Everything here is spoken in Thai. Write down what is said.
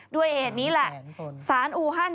ด้วยเหตุนี้แหละสารอูฮัน